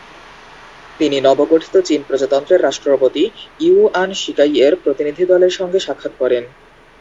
তিনি নবগঠিত চীন প্রজাতন্ত্রের রাষ্ট্রপতি ইয়ুয়ান শিকাইয়ের প্রতিনিধিদলের সঙ্গে সাক্ষাৎ করেন।